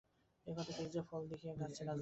এ কথা ঠিক যে, ফল দেখিয়াই গাছ চেনা যায়।